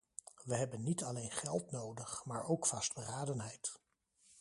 We hebben niet alleen geld nodig, maar ook vastberadenheid.